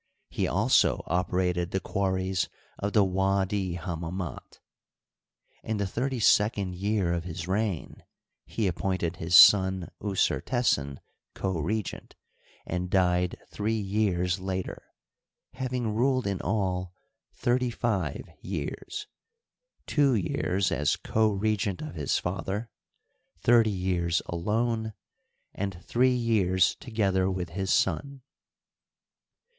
He also operated the quarries of the Widi Hammamit. In the thirty sec ond year of his reign he appointed his son Usertesen co regent, and died three years later, having ruled in all thirty five years — two years as co regent of his father, thirty years alone, and three years together with his son.